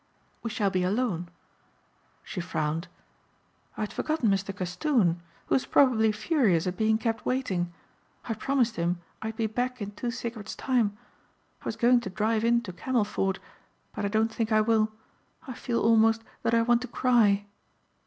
We shall be alone." She frowned. "I'd forgotten Mr. Castoon who is probably furious at being kept waiting. I promised him I'd be back in two cigarettes time. I was going to drive in to Camelford but I don't think I will. I feel almost that I want to cry."